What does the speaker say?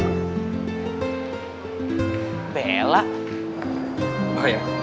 oh ya terima kasih ya bella ya